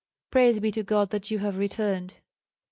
Praise be to God that you have returned!"